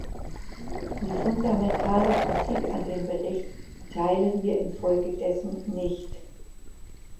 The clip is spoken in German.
Die fundamentale Kritik an dem Bericht teilen wir infolgedessen nicht.